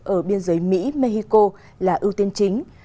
ở biên giới mỹ mexico là ưu tiên chính